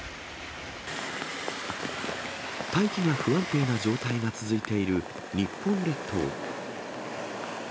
大気が不安定な状態が続いている日本列島。